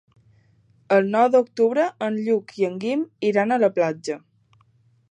El nou d'octubre en Lluc i en Guim iran a la platja.